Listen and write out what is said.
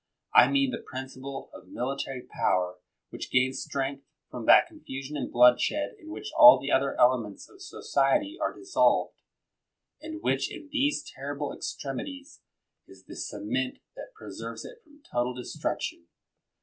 I mean the principle of military power which gains strength from that confusion and bloodshed in which all the other elements of society are dissolved, and which, in these terrible extremities, is the cement that preserves it from total destruction.